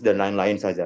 dan lain lain saja